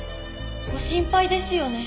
ご心配ですよね。